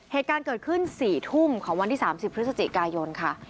เหตุการณ์เกิดขึ้น๔ทุ่มของวันที่๓๐พฤศจิกายนค่ะ